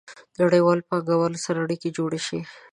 نړیوالو پانګوالو سره اړیکې جوړې شي.